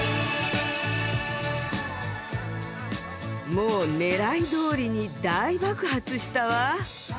もうねらいどおりに大爆発したわ！